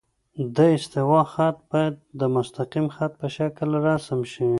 د استوا خط باید د مستقیم خط په شکل رسم شي